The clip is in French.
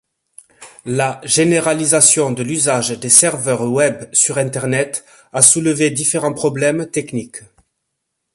La généralisation de l'usage des serveurs web sur internet a soulevé différents problèmes techniques.